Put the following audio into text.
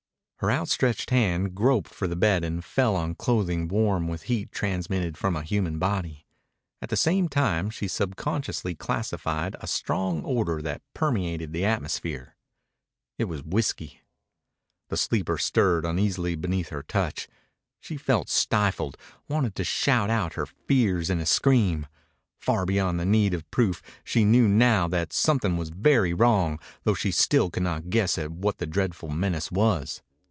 Her outstretched hand groped for the bed and fell on clothing warm with heat transmitted from a human body. At the same time she subconsciously classified a strong odor that permeated the atmosphere. It was whiskey. The sleeper stirred uneasily beneath her touch. She felt stifled, wanted to shout out her fears in a scream. Far beyond the need of proof she knew now that something was very wrong, though she still could not guess at what the dreadful menace was.